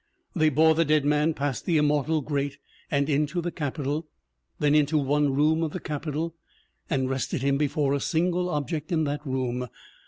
They bore the dead man past the immortal great and into the Capitol, then into one room of the Capitol, and rested him before a single object in that room.